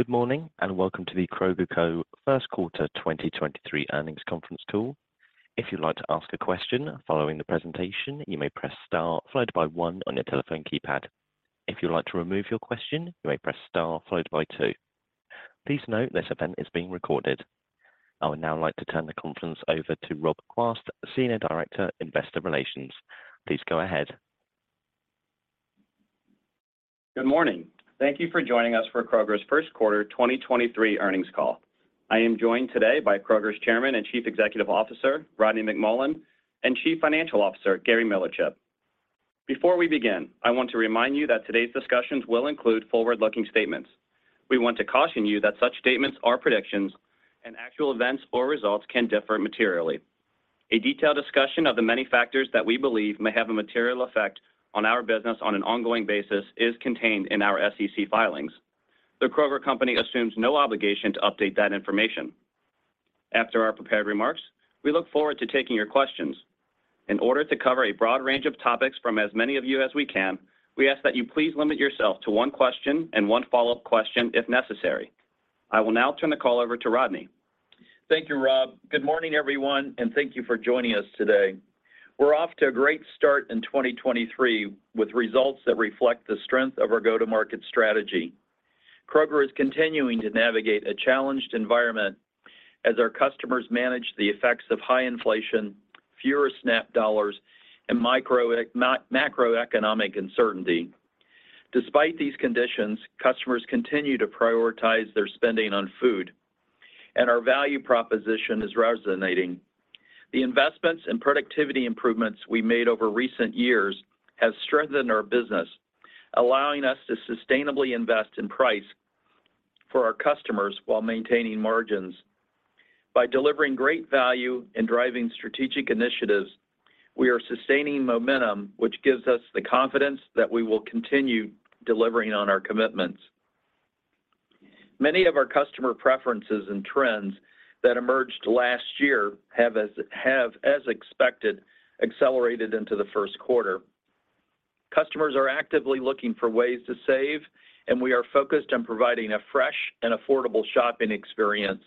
Good morning, welcome to The Kroger Co. First Quarter 2023 Earnings Conference Call. If you'd like to ask a question following the presentation, you may press star followed by one on your telephone keypad. If you'd like to remove your question, you may press star followed by two. Please note this event is being recorded. I would now like to turn the conference over to Rob Quast, Senior Director, Investor Relations. Please go ahead. Good morning. Thank you for joining us for Kroger's first quarter 2023 earnings call. I am joined today by Kroger's Chairman and Chief Executive Officer, Rodney McMullen, and Chief Financial Officer, Gary Millerchip. Before we begin, I want to remind you that today's discussions will include forward-looking statements. We want to caution you that such statements are predictions. Actual events or results can differ materially. A detailed discussion of the many factors that we believe may have a material effect on our business on an ongoing basis is contained in our SEC filings. The Kroger company assumes no obligation to update that information. After our prepared remarks, we look forward to taking your questions. In order to cover a broad range of topics from as many of you as we can, we ask that you please limit yourself to one question and one follow-up question if necessary. I will now turn the call over to Rodney. Thank you, Rob. Good morning, everyone, and thank you for joining us today. We're off to a great start in 2023, with results that reflect the strength of our go-to-market strategy. Kroger is continuing to navigate a challenged environment as our customers manage the effects of high inflation, fewer SNAP dollars, and macroeconomic uncertainty. Despite these conditions, customers continue to prioritize their spending on food, and our value proposition is resonating. The investments and productivity improvements we made over recent years have strengthened our business, allowing us to sustainably invest in price for our customers while maintaining margins. By delivering great value and driving strategic initiatives, we are sustaining momentum, which gives us the confidence that we will continue delivering on our commitments. Many of our customer preferences and trends that emerged last year have, as expected, accelerated into the first quarter. Customers are actively looking for ways to save, and we are focused on providing a fresh and affordable shopping experience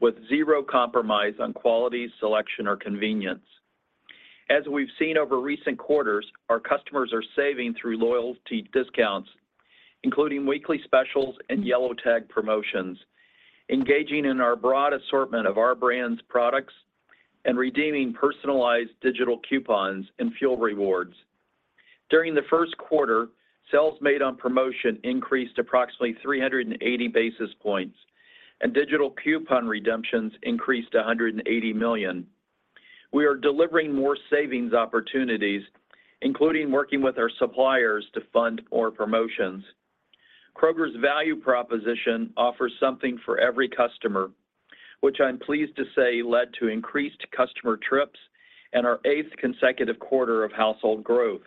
with zero compromise on quality, selection, or convenience. As we've seen over recent quarters, our customers are saving through loyalty discounts, including weekly specials and yellow tag promotions, engaging in our broad assortment of Our Brands products, and redeeming personalized digital coupons and fuel rewards. During the first quarter, sales made on promotion increased approximately 380 basis points, and digital coupon redemptions increased to 180 million. We are delivering more savings opportunities, including working with our suppliers to fund more promotions. Kroger's value proposition offers something for every customer, which I'm pleased to say led to increased customer trips and our eighth consecutive quarter of household growth.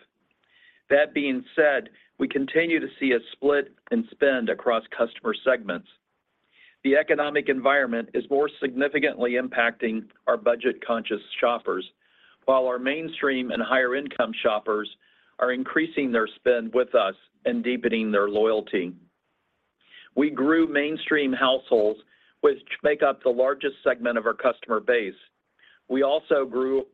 That being said, we continue to see a split in spend across customer segments. The economic environment is more significantly impacting our budget-conscious shoppers, while our mainstream and higher-income shoppers are increasing their spend with us and deepening their loyalty. We grew mainstream households, which make up the largest segment of our customer base. We also grew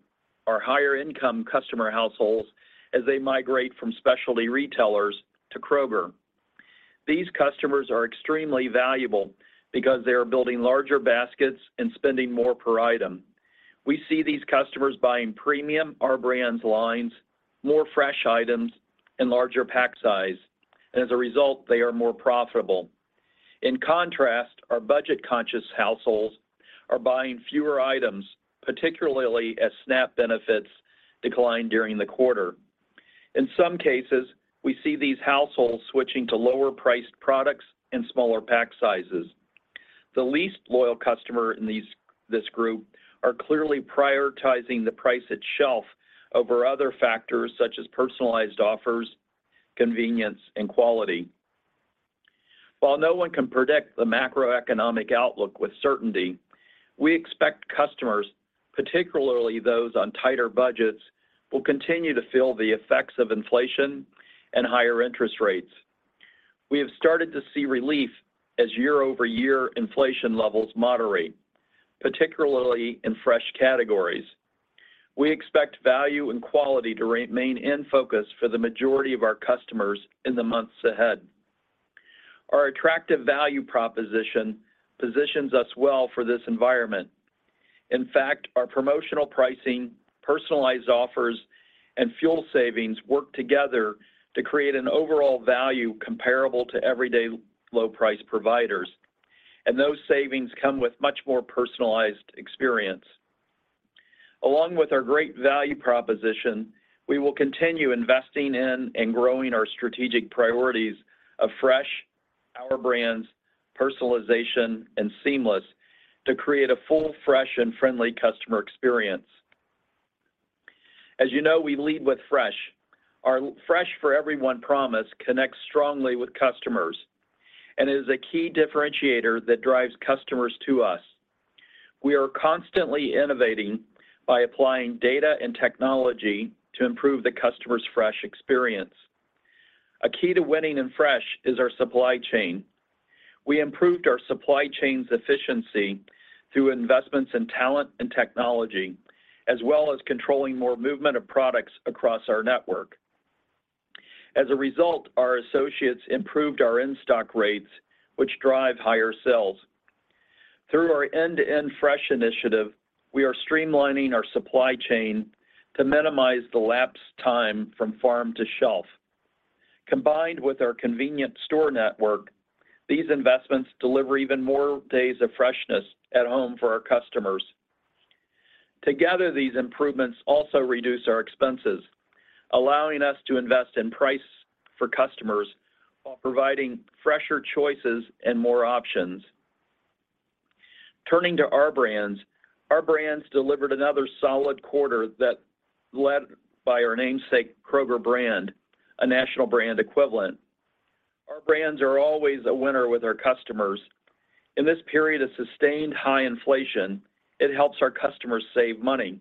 our higher-income customer households as they migrate from specialty retailers to Kroger. These customers are extremely valuable because they are building larger baskets and spending more per item. We see these customers buying premium, Our Brands lines, more fresh items, and larger pack size. As a result, they are more profitable. In contrast, our budget-conscious households are buying fewer items, particularly as SNAP benefits declined during the quarter. In some cases, we see these households switching to lower-priced products and smaller pack sizes. The least loyal customer in this group are clearly prioritizing the price at shelf over other factors such as personalized offers, convenience, and quality. We expect customers, particularly those on tighter budgets, will continue to feel the effects of inflation and higher interest rates. We have started to see relief as year-over-year inflation levels moderate, particularly in fresh categories. We expect value and quality to remain in focus for the majority of our customers in the months ahead. Our attractive value proposition positions us well for this environment. In fact, our promotional pricing, personalized offers, and fuel savings work together to create an overall value comparable to everyday low price providers, those savings come with much more personalized experience. Along with our great value proposition, we will continue investing in and growing our strategic priorities of fresh, Our Brands, personalization, and seamless to create a full, fresh, and friendly customer experience. As you know, we lead with fresh. Our Fresh for Everyone promise connects strongly with customers and is a key differentiator that drives customers to us. We are constantly innovating by applying data and technology to improve the customer's fresh experience. A key to winning in fresh is our supply chain. We improved our supply chain's efficiency through investments in talent and technology, as well as controlling more movement of products across our network. As a result, our associates improved our in-stock rates, which drive higher sales. Through our end-to-end fresh initiative, we are streamlining our supply chain to minimize the elapsed time from farm to shelf. Combined with our convenient store network, these investments deliver even more days of freshness at home for our customers. Together, these improvements also reduce our expenses, allowing us to invest in price for customers while providing fresher choices and more options. Turning to Our Brands, Our Brands delivered another solid quarter that led by our namesake, Kroger brand, a national brand equivalent. Our Brands are always a winner with our customers. In this period of sustained high inflation, it helps our customers save money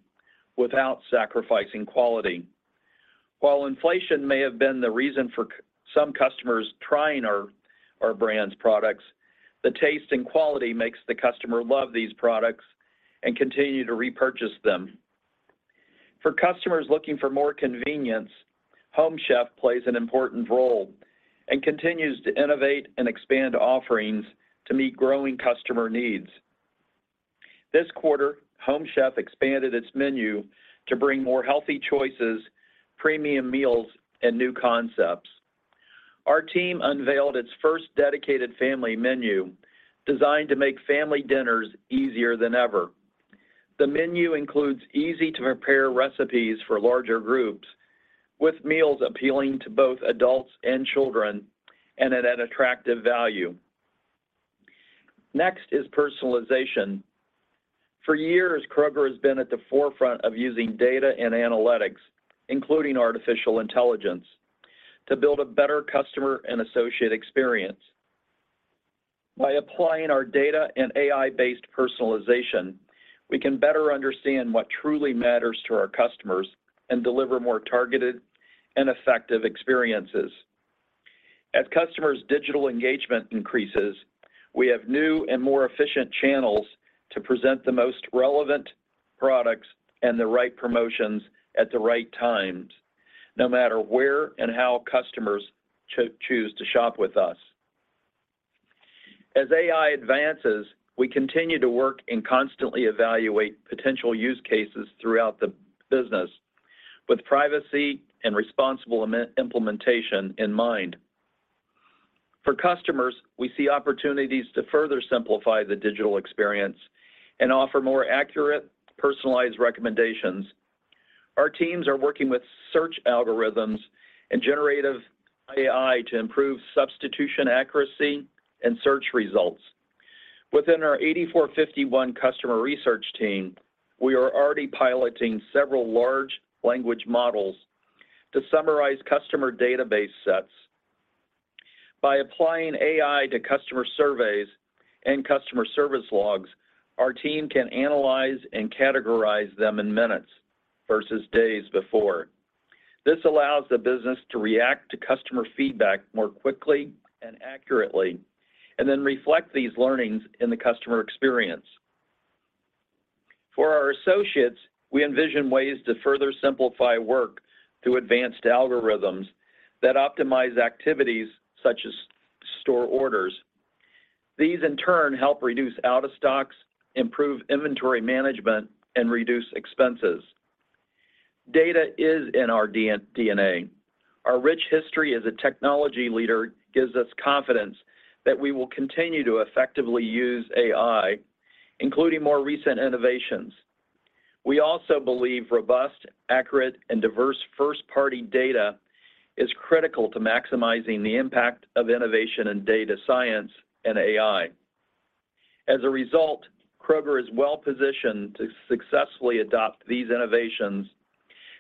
without sacrificing quality. While inflation may have been the reason for some customers trying our Our Brands products, the taste and quality makes the customer love these products and continue to repurchase them. For customers looking for more convenience, Home Chef plays an important role and continues to innovate and expand offerings to meet growing customer needs. This quarter, Home Chef expanded its menu to bring more healthy choices, premium meals, and new concepts. Our team unveiled its first dedicated family menu, designed to make family dinners easier than ever. The menu includes easy-to-prepare recipes for larger groups, with meals appealing to both adults and children, and at an attractive value. Next is personalization. For years, Kroger has been at the forefront of using data and analytics, including artificial intelligence, to build a better customer and associate experience. By applying our data and AI-based personalization, we can better understand what truly matters to our customers and deliver more targeted and effective experiences. As customers' digital engagement increases, we have new and more efficient channels to present the most relevant products and the right promotions at the right times, no matter where and how customers choose to shop with us. As AI advances, we continue to work and constantly evaluate potential use cases throughout the business with privacy and responsible implementation in mind. For customers, we see opportunities to further simplify the digital experience and offer more accurate, personalized recommendations. Our teams are working with search algorithms and generative AI to improve substitution accuracy and search results. Within our 84.51° customer research team, we are already piloting several large language models to summarize customer database sets. By applying AI to customer surveys and customer service logs, our team can analyze and categorize them in minutes versus days before. This allows the business to react to customer feedback more quickly and accurately, and then reflect these learnings in the customer experience. For our associates, we envision ways to further simplify work through advanced algorithms that optimize activities such as store orders. These, in turn, help reduce out-of-stocks, improve inventory management, and reduce expenses. Data is in our DNA. Our rich history as a technology leader gives us confidence that we will continue to effectively use AI, including more recent innovations. We also believe robust, accurate, and diverse first-party data is critical to maximizing the impact of innovation in data science and AI. As a result, Kroger is well positioned to successfully adopt these innovations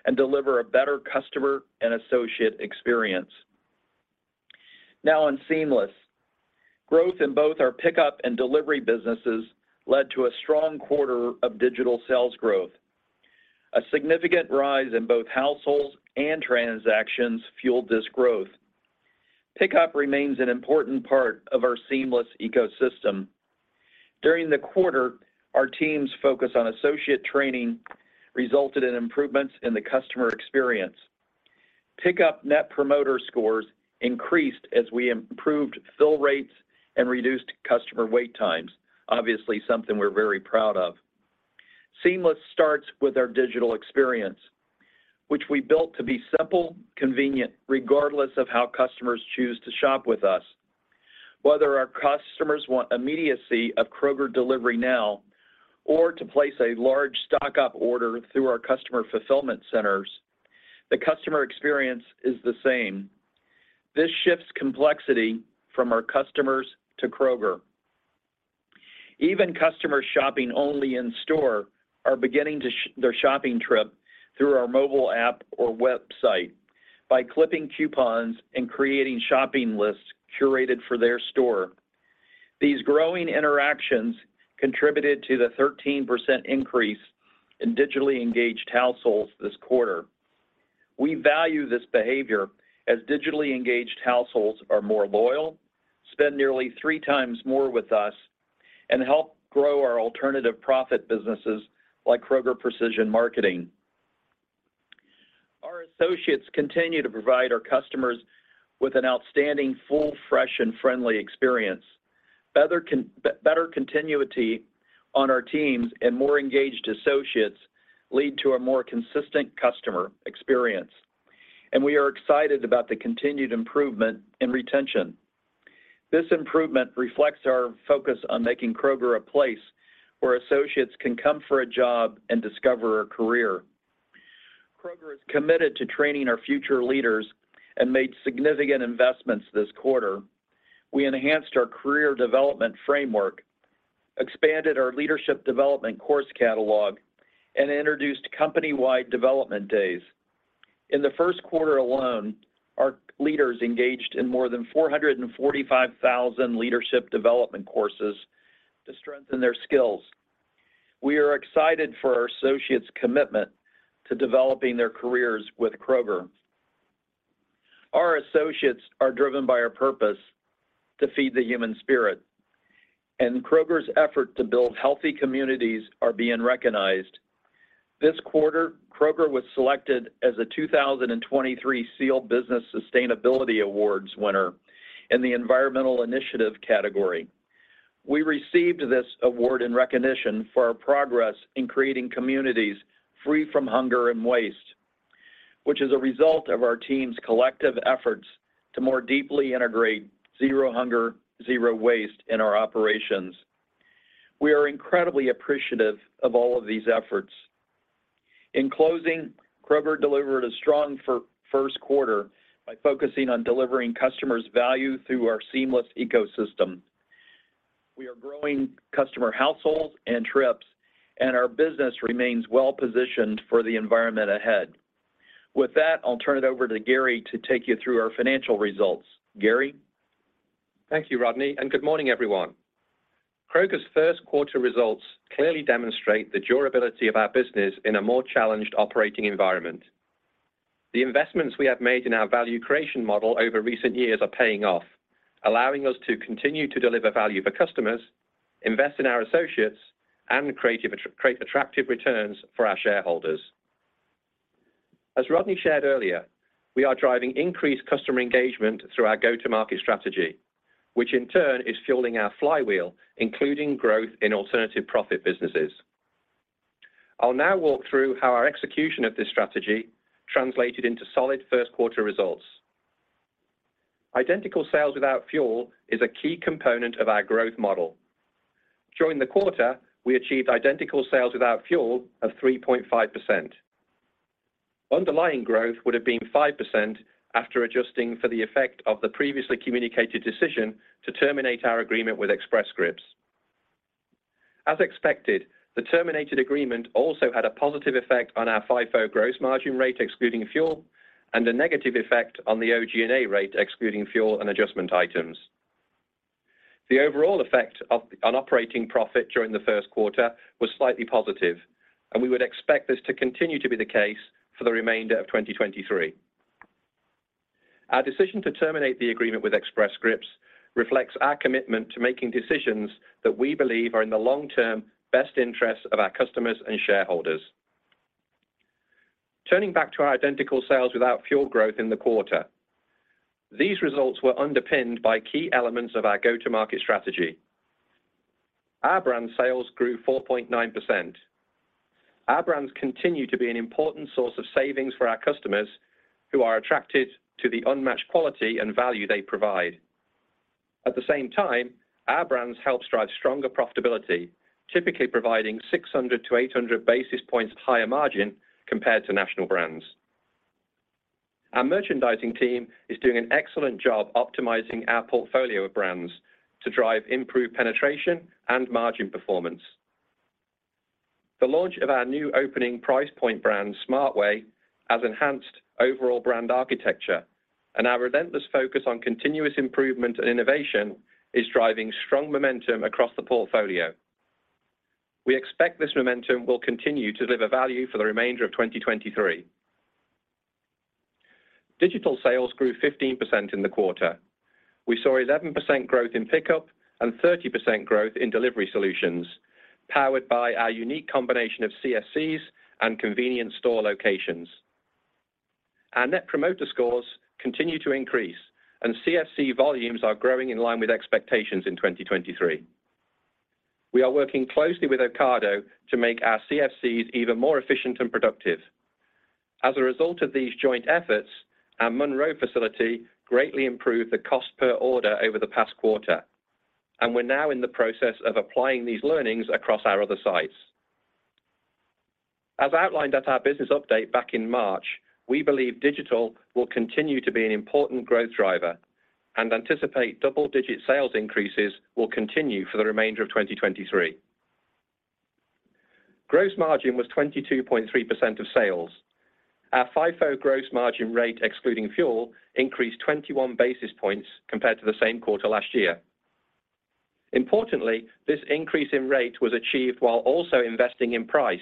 and deliver a better customer and associate experience. On Seamless. Growth in both our pickup and delivery businesses led to a strong quarter of digital sales growth. A significant rise in both households and transactions fueled this growth. Pickup remains an important part of our Seamless ecosystem. During the quarter, our team's focus on associate training resulted in improvements in the customer experience. Pickup Net Promoter Scores increased as we improved fill rates and reduced customer wait times. Obviously, something we're very proud of. Seamless starts with our digital experience, which we built to be simple, convenient, regardless of how customers choose to shop with us. Whether our customers want immediacy of Kroger Delivery Now, or to place a large stock-up order through our Customer Fulfillment Centers, the customer experience is the same. This shifts complexity from our customers to Kroger. Even customers shopping only in store are beginning to shop their shopping trip through our mobile app or website, by clipping coupons and creating shopping lists curated for their store. These growing interactions contributed to the 13% increase in digitally engaged households this quarter. We value this behavior as digitally engaged households are more loyal, spend nearly 3x more with us, and help grow our alternative profit businesses like Kroger Precision Marketing. Our associates continue to provide our customers with an outstanding, full, fresh, and friendly experience. Better continuity on our teams and more engaged associates lead to a more consistent customer experience, and we are excited about the continued improvement in retention. This improvement reflects our focus on making Kroger a place where associates can come for a job and discover a career. Kroger is committed to training our future leaders and made significant investments this quarter. We enhanced our career development framework, expanded our leadership development course catalog, and introduced company-wide development days. In the first quarter alone, our leaders engaged in more than 445,000 leadership development courses to strengthen their skills. We are excited for our associates' commitment to developing their careers with Kroger. Our associates are driven by our purpose to feed the human spirit. Kroger's effort to build healthy communities are being recognized. This quarter, Kroger was selected as a 2023 SEAL Business Sustainability Awards winner in the environmental initiative category. We received this award in recognition for our progress in creating communities free from hunger and waste, which is a result of our team's collective efforts to more deeply integrate Zero Hunger | Zero Waste in our operations. We are incredibly appreciative of all of these efforts. In closing, Kroger delivered a strong first quarter by focusing on delivering customers value through our seamless ecosystem. We are growing customer households and trips. Our business remains well positioned for the environment ahead. With that, I'll turn it over to Gary to take you through our financial results. Gary? Thank you, Rodney, good morning, everyone. Kroger's first quarter results clearly demonstrate the durability of our business in a more challenged operating environment. The investments we have made in our value creation model over recent years are paying off, allowing us to continue to deliver value for customers, invest in our associates, and create attractive returns for our shareholders. As Rodney shared earlier, we are driving increased customer engagement through our go-to-market strategy, which in turn is fueling our flywheel, including growth in alternative profit businesses. I'll now walk through how our execution of this strategy translated into solid first quarter results. Identical sales without fuel is a key component of our growth model. During the quarter, we achieved Identical sales without fuel of 3.5%. Underlying growth would have been 5% after adjusting for the effect of the previously communicated decision to terminate our agreement with Express Scripts. As expected, the terminated agreement also had a positive effect on our FIFO gross margin rate, excluding fuel, and a negative effect on the OG&A rate, excluding fuel and adjustment items. The overall effect of on operating profit during the first quarter was slightly positive, and we would expect this to continue to be the case for the remainder of 2023. Our decision to terminate the agreement with Express Scripts reflects our commitment to making decisions that we believe are in the long-term best interest of our customers and shareholders. Turning back to our identical sales without fuel growth in the quarter, these results were underpinned by key elements of our go-to-market strategy. Our Brand sales grew 4.9%. Our Brands continue to be an important source of savings for our customers, who are attracted to the unmatched quality and value they provide. At the same time, Our Brands help drive stronger profitability, typically providing 600 to 800 basis points higher margin compared to national brands. Our merchandising team is doing an excellent job optimizing our portfolio of brands to drive improved penetration and margin performance. The launch of our new opening price point brand, Smart Way, has enhanced overall brand architecture, and our relentless focus on continuous improvement and innovation is driving strong momentum across the portfolio. We expect this momentum will continue to deliver value for the remainder of 2023. Digital sales grew 15% in the quarter. We saw 11% growth in pickup and 30% growth in delivery solutions, powered by our unique combination of CSCs and convenient store locations. Our Net Promoter Score continue to increase, and CSC volumes are growing in line with expectations in 2023. We are working closely with Ocado to make our CFCs even more efficient and productive. As a result of these joint efforts, our Monroe facility greatly improved the cost per order over the past quarter, and we're now in the process of applying these learnings across our other sites. As outlined at our business update back in March, we believe digital will continue to be an important growth driver and anticipate double-digit sales increases will continue for the remainder of 2023. Gross margin was 22.3% of sales. Our FIFO gross margin rate, excluding fuel, increased 21 basis points compared to the same quarter last year. Importantly, this increase in rate was achieved while also investing in price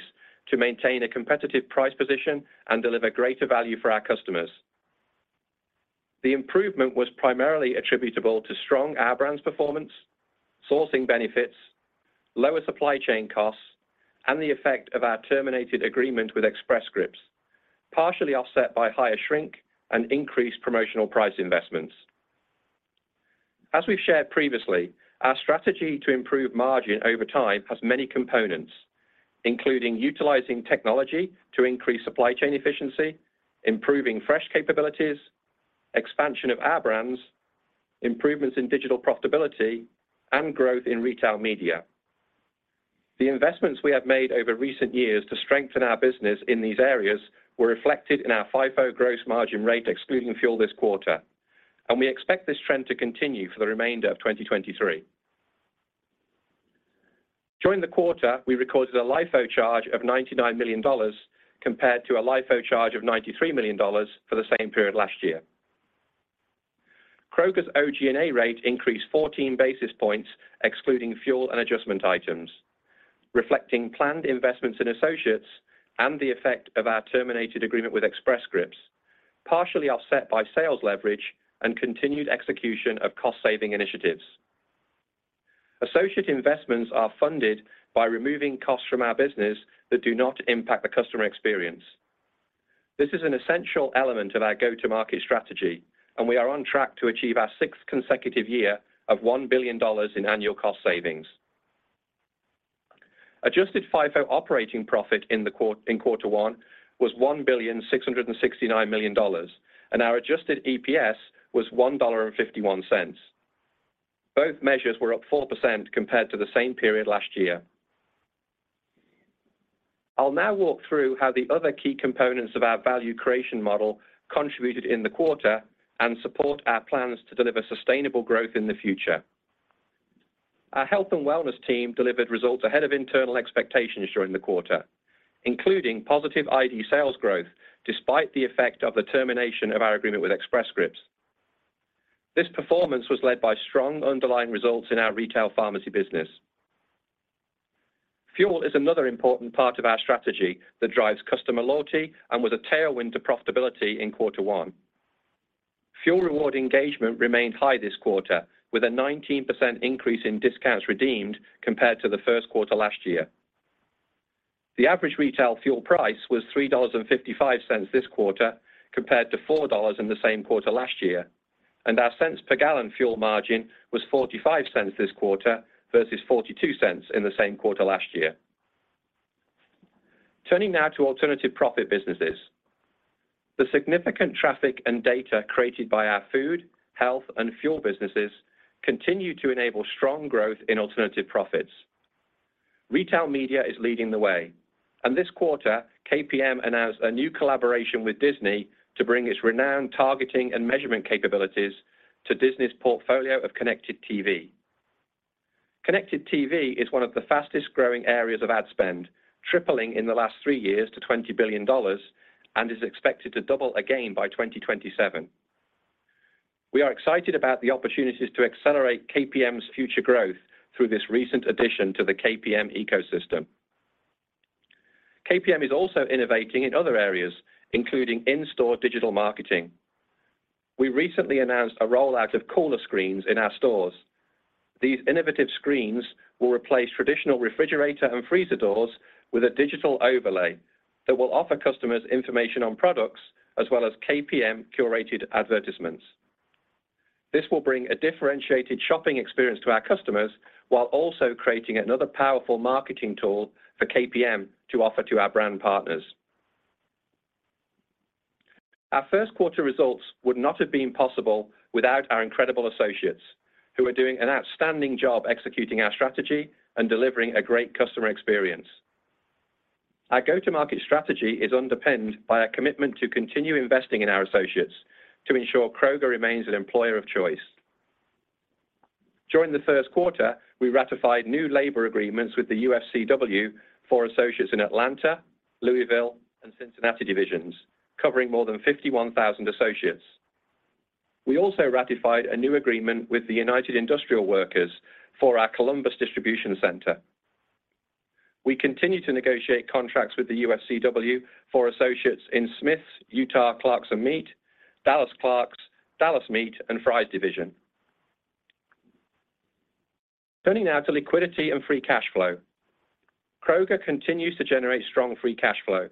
to maintain a competitive price position and deliver greater value for our customers. The improvement was primarily attributable to strong Our Brands performance, sourcing benefits, lower supply chain costs, and the effect of our terminated agreement with Express Scripts, partially offset by higher shrink and increased promotional price investments. As we've shared previously, our strategy to improve margin over time has many components, including utilizing technology to increase supply chain efficiency, improving fresh capabilities, expansion of Our Brands, improvements in digital profitability, and growth in retail media. The investments we have made over recent years to strengthen our business in these areas were reflected in our FIFO gross margin rate, excluding fuel this quarter, and we expect this trend to continue for the remainder of 2023. During the quarter, we recorded a LIFO charge of $99 million compared to a LIFO charge of $93 million for the same period last year. Kroger's OG&A rate increased 14 basis points, excluding fuel and adjustment items, reflecting planned investments in associates and the effect of our terminated agreement with Express Scripts, partially offset by sales leverage and continued execution of cost-saving initiatives. Associate investments are funded by removing costs from our business that do not impact the customer experience. This is an essential element of our go-to-market strategy, and we are on track to achieve our sixth consecutive year of $1 billion in annual cost savings. Adjusted FIFO operating profit in quarter one was $1.669 billion, and our adjusted EPS was $1.51. Both measures were up 4% compared to the same period last year. I'll now walk through how the other key components of our value creation model contributed in the quarter and support our plans to deliver sustainable growth in the future. Our health and wellness team delivered results ahead of internal expectations during the quarter, including positive ID sales growth, despite the effect of the termination of our agreement with Express Scripts. This performance was led by strong underlying results in our retail pharmacy business. Fuel is another important part of our strategy that drives customer loyalty and was a tailwind to profitability in quarter one. Fuel reward engagement remained high this quarter, with a 19% increase in discounts redeemed compared to the first quarter last year. The average retail fuel price was $3.55 this quarter, compared to $4.00 in the same quarter last year, and our cents per gallon fuel margin was $0.45 this quarter versus $0.42 in the same quarter last year. Turning now to alternative profit businesses. The significant traffic and data created by our food, health, and fuel businesses continue to enable strong growth in alternative profits. Retail Media is leading the way, and this quarter, KPM announced a new collaboration with Disney to bring its renowned targeting and measurement capabilities to Disney's portfolio of Connected TV. Connected TV is one of the fastest-growing areas of ad spend, tripling in the last three years to $20 billion and is expected to double again by 2027. We are excited about the opportunities to accelerate KPM's future growth through this recent addition to the KPM ecosystem. KPM is also innovating in other areas, including in-store digital marketing. We recently announced a rollout of Cooler Screens in our stores. These innovative screens will replace traditional refrigerator and freezer doors with a digital overlay that will offer customers information on products as well as KPM-curated advertisements. This will bring a differentiated shopping experience to our customers while also creating another powerful marketing tool for KPM to offer to our brand partners. Our first quarter results would not have been possible without our incredible associates, who are doing an outstanding job executing our strategy and delivering a great customer experience. Our go-to-market strategy is underpinned by a commitment to continue investing in our associates to ensure Kroger remains an employer of choice. During the first quarter, we ratified new labor agreements with the UFCW for associates in Atlanta, Louisville, and Cincinnati divisions, covering more than 51,000 associates. We also ratified a new agreement with the United Industrial Workers for our Columbus Distribution Center. We continue to negotiate contracts with the UFCW for associates in Smith's, Utah Clerks and Meat, Dallas Clerks, Dallas Meat, and Fry's Division. Turning now to liquidity and free cash flow. Kroger continues to generate strong free cash flow.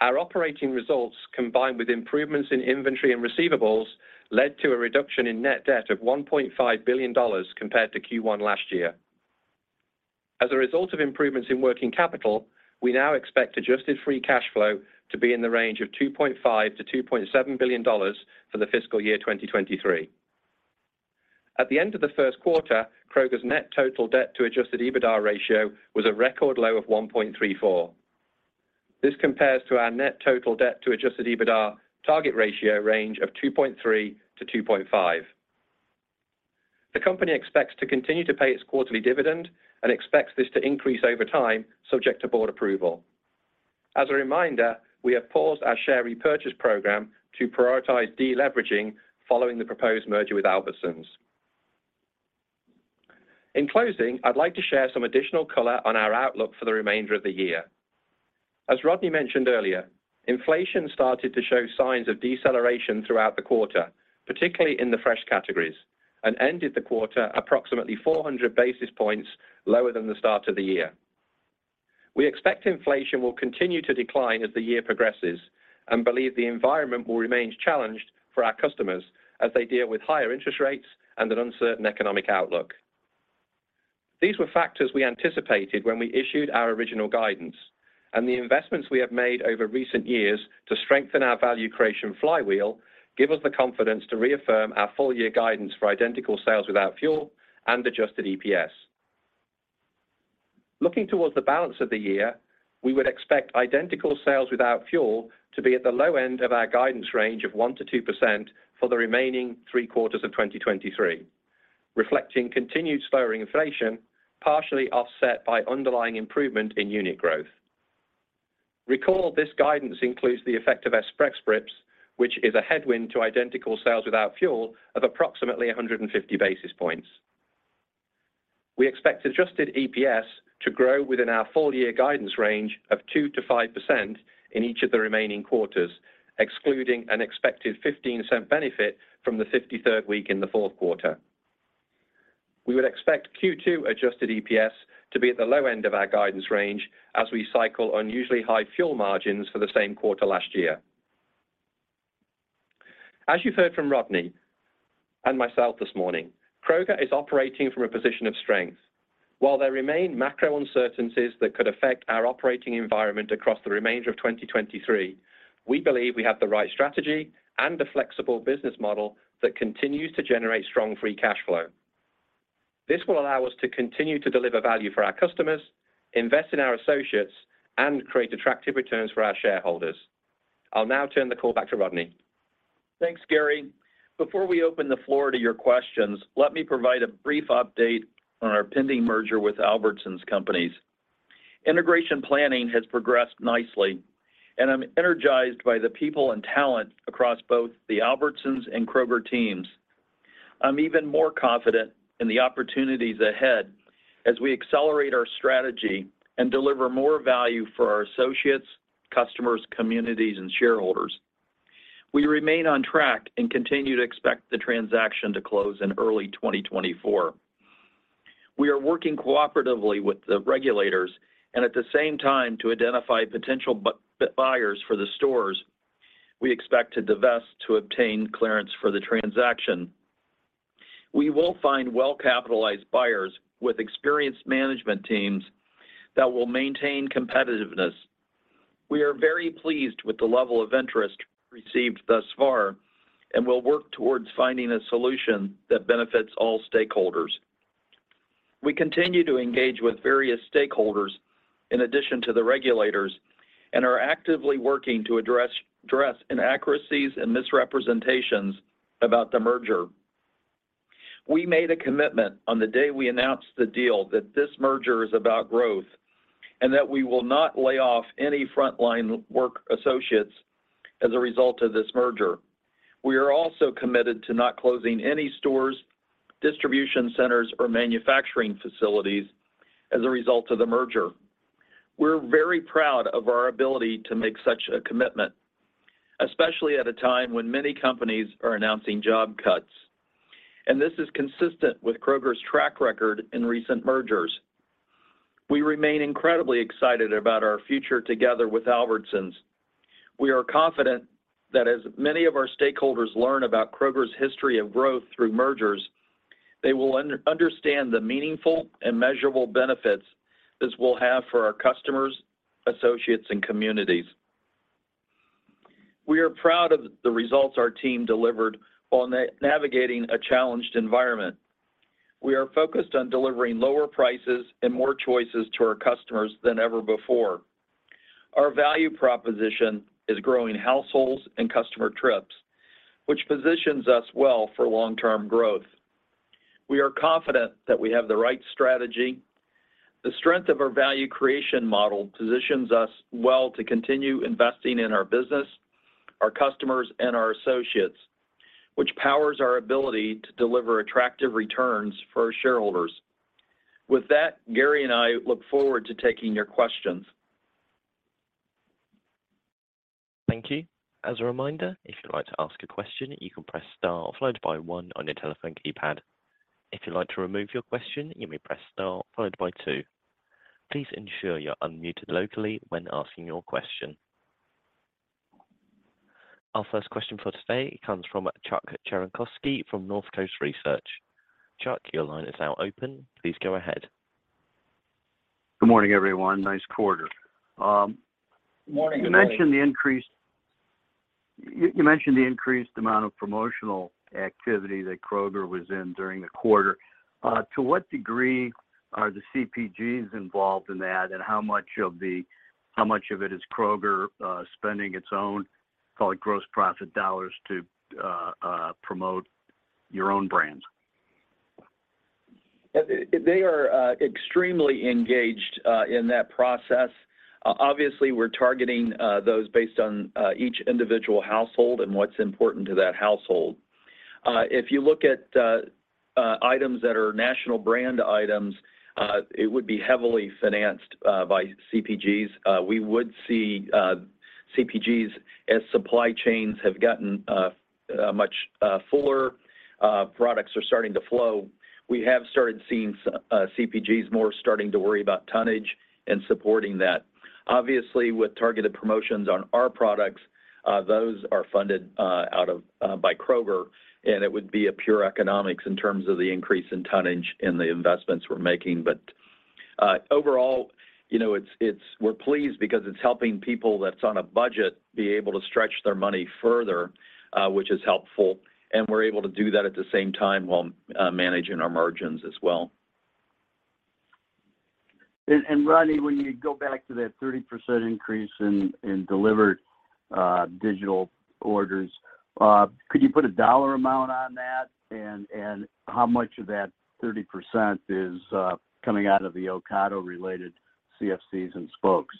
Our operating results, combined with improvements in inventory and receivables, led to a reduction in net debt of $1.5 billion compared to Q1 last year. As a result of improvements in working capital, we now expect adjusted free cash flow to be in the range of $2.5 billion-$2.7 billion for the fiscal year 2023. At the end of the first quarter, Kroger's net total debt to adjusted EBITDA ratio was a record low of 1.34. This compares to our net total debt to adjusted EBITDA target ratio range of 2.3-2.5. The company expects to continue to pay its quarterly dividend and expects this to increase over time, subject to board approval. As a reminder, we have paused our share repurchase program to prioritize deleveraging following the proposed merger with Albertsons. In closing, I'd like to share some additional color on our outlook for the remainder of the year. As Rodney mentioned earlier, inflation started to show signs of deceleration throughout the quarter, particularly in the fresh categories, and ended the quarter approximately 400 basis points lower than the start of the year. We expect inflation will continue to decline as the year progresses and believe the environment will remain challenged for our customers as they deal with higher interest rates and an uncertain economic outlook. These were factors we anticipated when we issued our original guidance. The investments we have made over recent years to strengthen our value creation flywheel give us the confidence to reaffirm our full year guidance for identical sales without fuel and adjusted EPS. Looking towards the balance of the year, we would expect identical sales without fuel to be at the low end of our guidance range of 1%-2% for the remaining three quarters of 2023, reflecting continued slowing inflation, partially offset by underlying improvement in unit growth. Recall, this guidance includes the effect of Express Scripts, which is a headwind to identical sales without fuel of approximately 150 basis points. We expect adjusted EPS to grow within our full year guidance range of 2%-5% in each of the remaining quarters, excluding an expected $0.15 benefit from the 53rd week in the fourth quarter. We would expect Q2 adjusted EPS to be at the low end of our guidance range as we cycle unusually high fuel margins for the same quarter last year. As you've heard from Rodney and myself this morning, Kroger is operating from a position of strength. While there remain macro uncertainties that could affect our operating environment across the remainder of 2023, we believe we have the right strategy and a flexible business model that continues to generate strong free cash flow. This will allow us to continue to deliver value for our customers, invest in our associates, and create attractive returns for our shareholders. I'll now turn the call back to Rodney. Thanks, Gary. Before we open the floor to your questions, let me provide a brief update on our pending merger with Albertsons Companies. Integration planning has progressed nicely, and I'm energized by the people and talent across both the Albertsons and Kroger teams. I'm even more confident in the opportunities ahead as we accelerate our strategy and deliver more value for our associates, customers, communities, and shareholders. We remain on track and continue to expect the transaction to close in early 2024. We are working cooperatively with the regulators and at the same time to identify potential buyers for the stores we expect to divest to obtain clearance for the transaction. We will find well-capitalized buyers with experienced management teams that will maintain competitiveness. We are very pleased with the level of interest received thus far and will work towards finding a solution that benefits all stakeholders. We continue to engage with various stakeholders in addition to the regulators, and are actively working to address inaccuracies and misrepresentations about the merger. We made a commitment on the day we announced the deal that this merger is about growth and that we will not lay off any frontline work associates as a result of this merger. We are also committed to not closing any stores, distribution centers, or manufacturing facilities as a result of the merger. We're very proud of our ability to make such a commitment, especially at a time when many companies are announcing job cuts, and this is consistent with Kroger's track record in recent mergers. We remain incredibly excited about our future together with Albertsons. We are confident that as many of our stakeholders learn about Kroger's history of growth through mergers, they will understand the meaningful and measurable benefits this will have for our customers, associates, and communities. We are proud of the results our team delivered while navigating a challenged environment. We are focused on delivering lower prices and more choices to our customers than ever before. Our value proposition is growing households and customer trips, which positions us well for long-term growth. We are confident that we have the right strategy. The strength of our value creation model positions us well to continue investing in our business, our customers, and our associates, which powers our ability to deliver attractive returns for our shareholders. With that, Gary and I look forward to taking your questions. Thank you. As a reminder, if you'd like to ask a question, you can press star followed by one on your telephone keypad. If you'd like to remove your question, you may press star followed by two. Please ensure you're unmuted locally when asking your question. Our first question for today comes from Chuck Cerankosky from Northcoast Research. Chuck, your line is now open. Please go ahead. Good morning, everyone. Nice quarter. Good morning. You mentioned the increased amount of promotional activity that Kroger was in during the quarter. To what degree are the CPGs involved in that, and how much of it is Kroger spending its own, call it, gross profit dollars to promote your own brands? They, they are extremely engaged in that process. Obviously, we're targeting those based on each individual household and what's important to that household. If you look at items that are national brand items, it would be heavily financed by CPGs. We would see CPGs as supply chains have gotten much fuller, products are starting to flow. We have started seeing CPGs more starting to worry about tonnage and supporting that. Obviously, with targeted promotions on our products, those are funded out of by Kroger, and it would be a pure economics in terms of the increase in tonnage and the investments we're making. Overall, you know, we're pleased because it's helping people that's on a budget be able to stretch their money further, which is helpful, and we're able to do that at the same time while managing our margins as well. Rodney, when you go back to that 30% increase in delivered digital orders, could you put a dollar amount on that? How much of that 30% is coming out of the Ocado-related CFCs and spokes?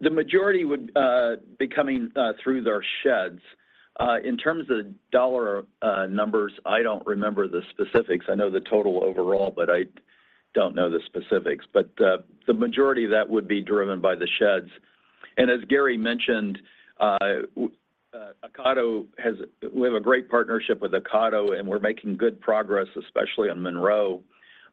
The majority would be coming through their sheds. In terms of dollar numbers, I don't remember the specifics. I know the total overall, but I don't know the specifics. The majority of that would be driven by the sheds. As Gary mentioned, we have a great partnership with Ocado, and we're making good progress, especially on Monroe,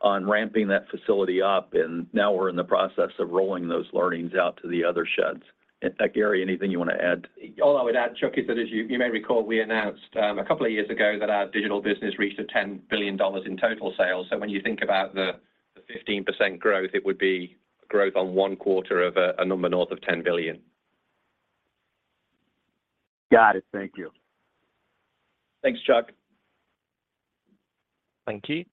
on ramping that facility up, and now we're in the process of rolling those learnings out to the other sheds. In fact, Gary, anything you want to add? All I would add, Chuck, is that, as you may recall, we announced a couple of years ago that our digital business reached $10 billion in total sales. When you think about the 15% growth, it would be growth on one quarter of a number north of $10 billion. Got it. Thank you. Thanks, Chuck. Thank you.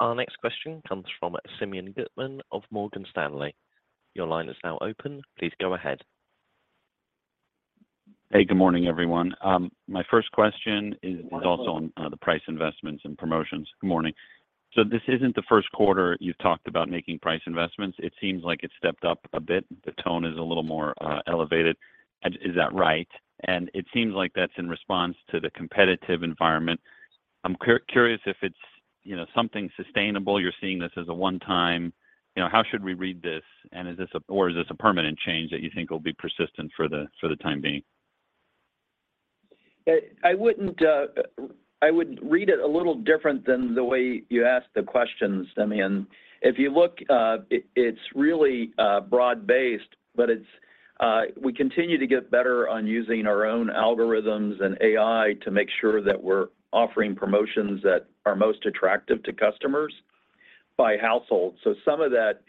Our next question comes from Simeon Gutman of Morgan Stanley. Your line is now open. Please go ahead. Hey, good morning, everyone. My first question is also on the price investments and promotions. Good morning. This isn't the first quarter you've talked about making price investments. It seems like it stepped up a bit. The tone is a little more elevated. Is that right? It seems like that's in response to the competitive environment. I'm curious if it's, you know, something sustainable, you're seeing this as a one-time... You know, how should we read this? Is this a permanent change that you think will be persistent for the, for the time being? I wouldn't, I would read it a little different than the way you asked the questions. If you look, it's really broad-based, but it's, we continue to get better on using our own algorithms and AI to make sure that we're offering promotions that are most attractive to customers by household. Some of that,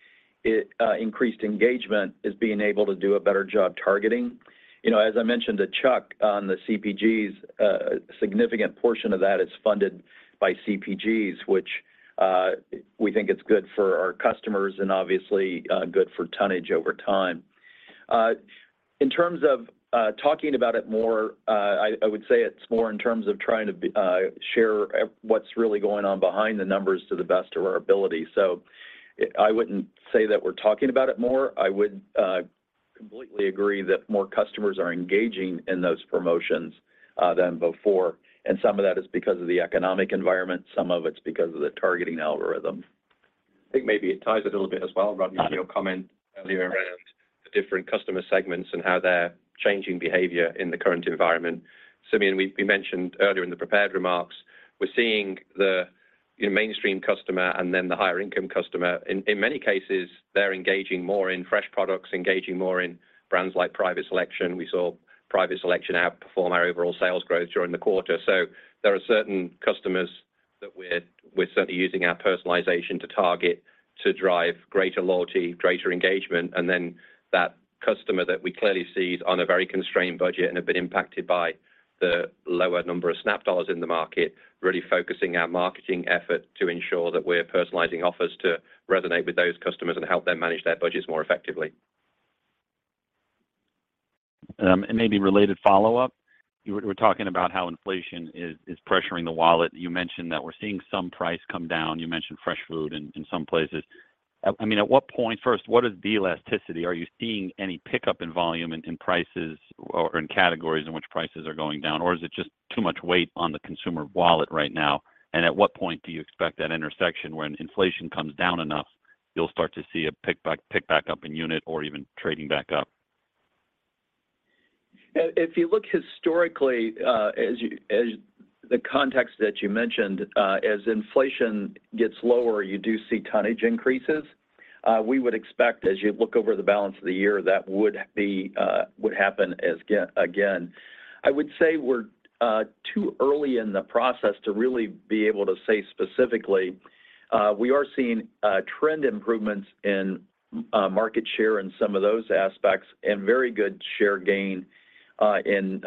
it, increased engagement is being able to do a better job targeting. You know, as I mentioned to Chuck on the CPGs, a significant portion of that is funded by CPGs, which, we think it's good for our customers and obviously, good for tonnage over time. In terms of, talking about it more, I would say it's more in terms of trying to be, share what's really going on behind the numbers to the best of our ability. I wouldn't say that we're talking about it more. I would completely agree that more customers are engaging in those promotions than before. Some of that is because of the economic environment. Some of it's because of the targeting algorithm. I think maybe it ties a little bit as well, Rodney, your comment earlier around the different customer segments and how they're changing behavior in the current environment. Simeon, we mentioned earlier in the prepared remarks, we're seeing the mainstream customer and then the higher income customer. In many cases, they're engaging more in fresh products, engaging more in brands like Private Selection. We saw Private Selection outperform our overall sales growth during the quarter. There are certain customers that we're certainly using our personalization to target, to drive greater loyalty, greater engagement, and then that customer that we clearly see is on a very constrained budget and have been impacted by the lower number of SNAP dollars in the market, really focusing our marketing effort to ensure that we're personalizing offers to resonate with those customers and help them manage their budgets more effectively. Maybe related follow-up, we're talking about how inflation is pressuring the wallet. You mentioned that we're seeing some price come down. You mentioned fresh food in some places. I mean, at what point first, what is the elasticity? Are you seeing any pickup in volume in prices or in categories in which prices are going down, or is it just too much weight on the consumer wallet right now? At what point do you expect that intersection when inflation comes down enough, you'll start to see a pick back up in unit or even trading back up? If you look historically, as you, as the context that you mentioned, as inflation gets lower, you do see tonnage increases. We would expect, as you look over the balance of the year, that would happen again. I would say we're too early in the process to really be able to say specifically. We are seeing trend improvements in market share in some of those aspects and very good share gain in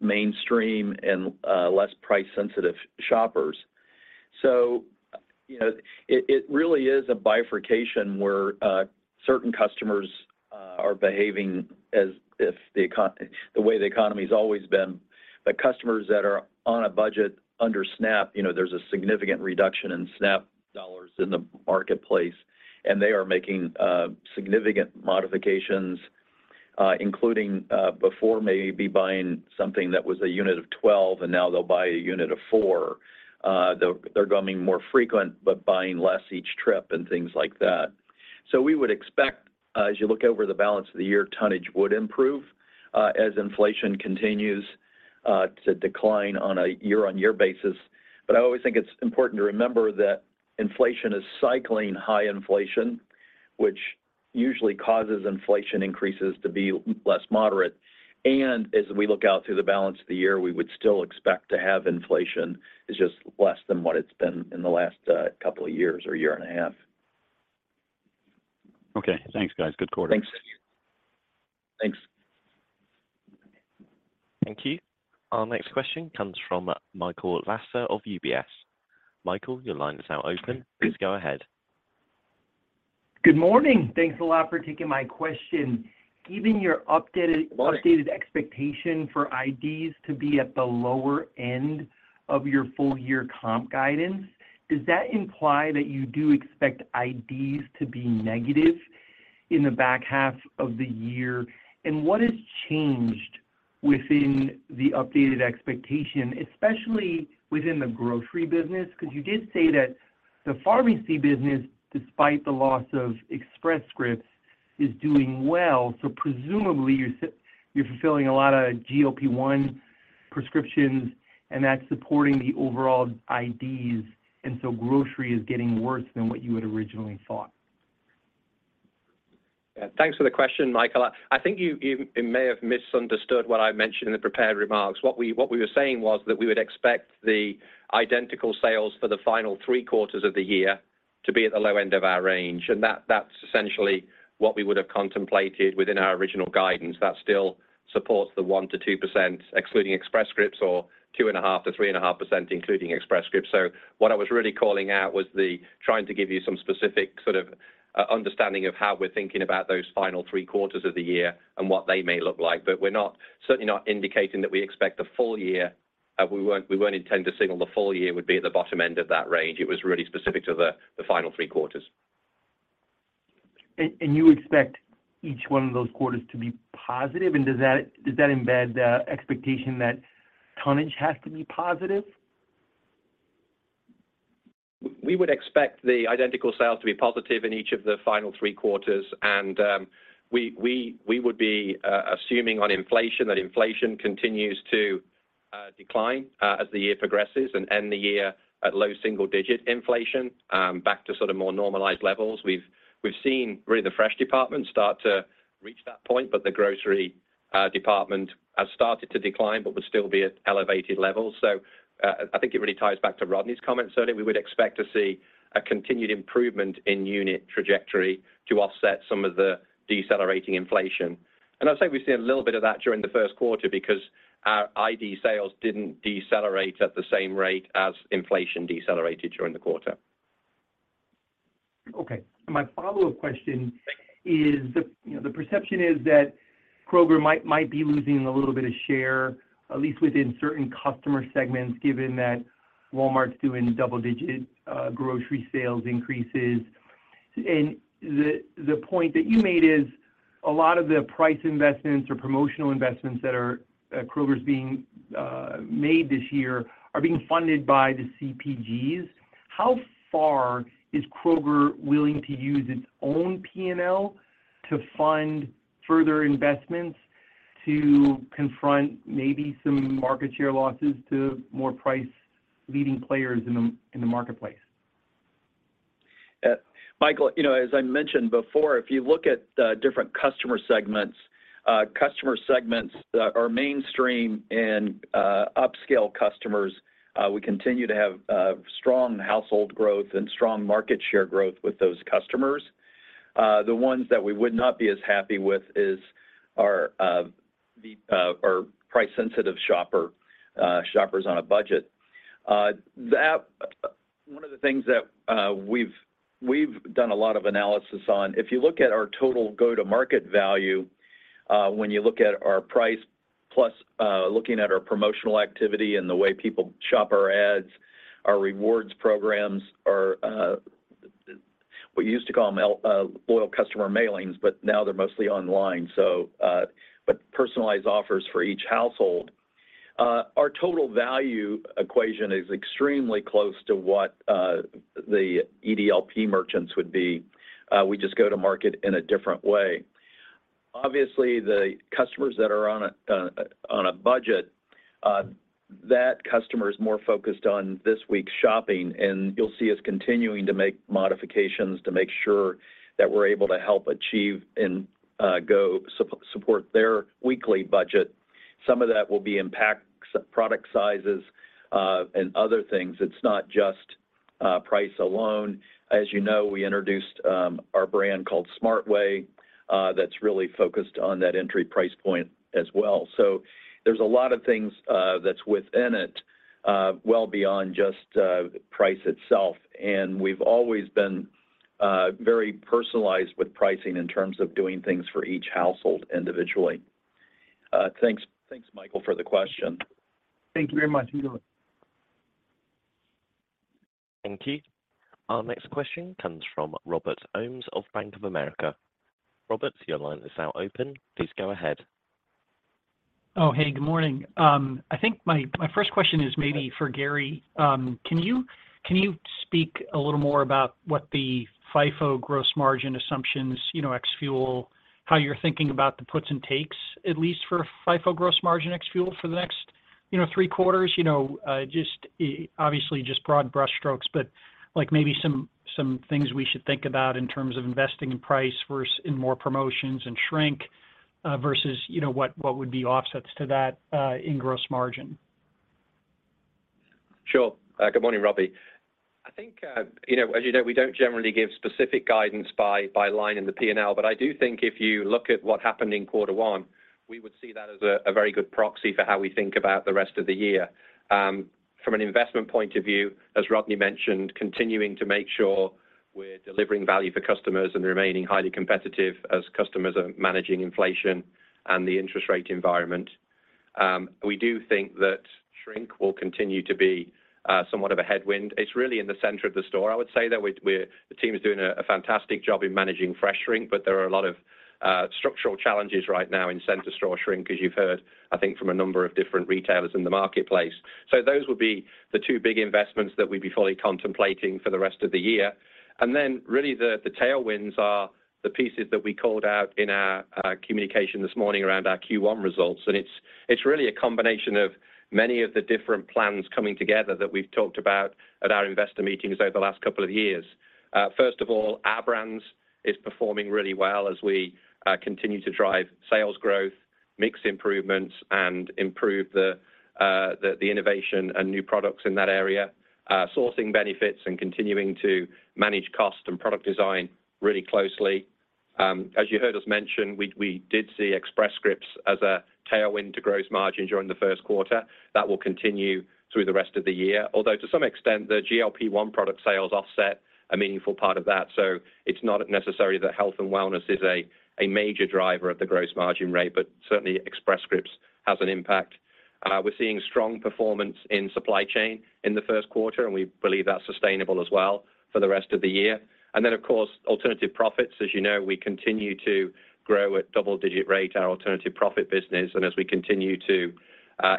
mainstream and less price-sensitive shoppers. So, it really is a bifurcation where certain customers are behaving as if the way the economy's always been. The customers that are on a budget under SNAP, you know, there's a significant reduction in SNAP dollars in the marketplace, they are making significant modifications, including before maybe buying something that was a unit of 12 and now they'll buy a unit of four. They're coming more frequent, but buying less each trip and things like that. We would expect, as you look over the balance of the year, tonnage would improve, as inflation continues to decline on a year-on-year basis. I always think it's important to remember that inflation is cycling high inflation, which usually causes inflation increases to be less moderate. As we look out through the balance of the year, we would still expect to have inflation, it's just less than what it's been in the last couple of years or year and a half. Okay. Thanks, guys. Good quarter. Thanks. Thanks. Thank you. Our next question comes from Michael Lasser of UBS. Michael, your line is now open. Please go ahead. Good morning. Thanks a lot for taking my question. Given your updated- Welcome... updated expectation for IDs to be at the lower end of your full year comp guidance, does that imply that you do expect IDs to be negative in the back half of the year? What has changed within the updated expectation, especially within the grocery business? You did say that the pharmacy business, despite the loss of Express Scripts, is doing well. Presumably, you're fulfilling a lot of GLP-1 prescriptions, and that's supporting the overall IDs, and so grocery is getting worse than what you had originally thought. Yeah, thanks for the question, Michael. I think you may have misunderstood what I mentioned in the prepared remarks. What we were saying was that we would expect the identical sales for the final three quarters of the year to be at the low end of our range, and that's essentially what we would have contemplated within our original guidance. That still supports the 1%-2%, excluding Express Scripts, or 2.5%-3.5%, including Express Scripts. What I was really calling out was the trying to give you some specific sort of understanding of how we're thinking about those final three quarters of the year and what they may look like. We're not, certainly not indicating that we expect the full year, we won't intend to signal the full year would be at the bottom end of that range. It was really specific to the final three quarters. You expect each one of those quarters to be positive? Does that embed the expectation that tonnage has to be positive? We would expect the identical sales to be positive in each of the final three quarters. We would be assuming on inflation, that inflation continues to decline as the year progresses and end the year at low single digit inflation back to sort of more normalized levels. We've seen really the fresh department start to reach that point, the grocery department has started to decline but would still be at elevated levels. I think it really ties back to Rodney's comment. Certainly, we would expect to see a continued improvement in unit trajectory to offset some of the decelerating inflation. I'd say we've seen a little bit of that during the first quarter because our ID sales didn't decelerate at the same rate as inflation decelerated during the quarter. Okay, my follow-up question is the, you know, the perception is that Kroger might be losing a little bit of share, at least within certain customer segments, given that Walmart's doing double-digit grocery sales increases. The point that you made is a lot of the price investments or promotional investments that are Kroger's being made this year are being funded by the CPGs. How far is Kroger willing to use its own P&L to fund further investments to confront maybe some market share losses to more price-leading players in the marketplace? Michael, you know, as I mentioned before, if you look at the different customer segments, customer segments that are mainstream and upscale customers, we continue to have strong household growth and strong market share growth with those customers. The ones that we would not be as happy with is our, the, our price-sensitive shopper, shoppers on a budget. One of the things that we've done a lot of analysis on, if you look at our total go-to-market value, when you look at our price, plus, looking at our promotional activity and the way people shop our ads, our rewards programs, our, we used to call them loyal customer mailings, but now they're mostly online. Personalized offers for each household. Our total value equation is extremely close to what the EDLP merchants would be. We just go to market in a different way. Obviously, the customers that are on a budget, that customer is more focused on this week's shopping, and you'll see us continuing to make modifications to make sure that we're able to help achieve and support their weekly budget. Some of that will be in packs, product sizes and other things. It's not just price alone. As you know, we introduced our brand called Smart Way. That's really focused on that entry price point as well. There's a lot of things that's within it, well beyond just the price itself. We've always been very personalized with pricing in terms of doing things for each household individually. Thanks, Michael, for the question. Thank you very much. Keep going. Thank you. Our next question comes from Robert Ohmes of Bank of America. Robert, your line is now open. Please go ahead. Oh, hey, good morning. I think my first question is maybe for Gary. Can you speak a little more about what the FIFO gross margin assumptions, you know, ex fuel, how you're thinking about the puts and takes, at least for FIFO gross margin, ex fuel, for the next, you know, three quarters? You know, just, obviously, just broad brushstrokes, but like maybe some things we should think about in terms of investing in price versus in more promotions and shrink, versus, you know, what would be offsets to that in gross margin? Sure. Good morning, Robbie. I think, you know, as you know, we don't generally give specific guidance by line in the P&L, but I do think if you look at what happened in quarter one, we would see that as a very good proxy for how we think about the rest of the year. From an investment point of view, as Rodney mentioned, continuing to make sure we're delivering value for customers and remaining highly competitive as customers are managing inflation and the interest rate environment. We do think that shrink will continue to be somewhat of a headwind. It's really in the center of the store. I would say that we're the team is doing a fantastic job in managing fresh shrink, but there are a lot of structural challenges right now in center store shrink, as you've heard, I think, from a number of different retailers in the marketplace. Those would be the two big investments that we'd be fully contemplating for the rest of the year. Really the tailwinds are the pieces that we called out in our communication this morning around our Q1 results. It's really a combination of many of the different plans coming together that we've talked about at our investor meetings over the last couple of years. First of all, Our Brands is performing really well as we continue to drive sales growth, mix improvements, and improve the innovation and new products in that area, sourcing benefits and continuing to manage cost and product design really closely. As you heard us mention, we did see Express Scripts as a tailwind to gross margin during the first quarter. That will continue through the rest of the year, although to some extent, the GLP-1 product sales offset a meaningful part of that. It's not necessarily that health and wellness is a major driver of the gross margin rate, but certainly Express Scripts has an impact. We're seeing strong performance in supply chain in the first quarter, and we believe that's sustainable as well for the rest of the year. Of course, alternative profits. As you know, we continue to grow at double-digit rate, our alternative profit business. As we continue to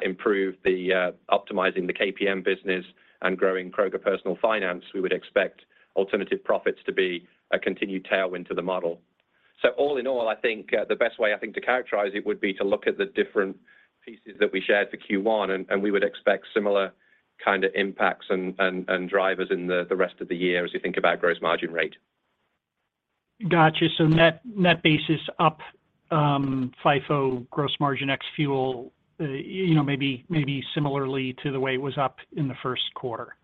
improve the optimizing the KPM business and growing Kroger Personal Finance, we would expect alternative profits to be a continued tailwind to the model. All in all, I think, the best way, I think, to characterize it would be to look at the different pieces that we shared for Q1, and we would expect similar kinda impacts and drivers in the rest of the year as we think about gross margin rate. Got you. Net, net basis up, FIFO, gross margin, ex fuel, you know, maybe similarly to the way it was up in the first quarter?